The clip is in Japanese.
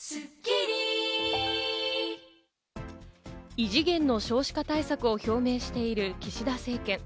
異次元の少子化対策を表明している岸田政権。